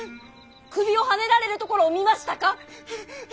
首をはねられるところを見ましたか。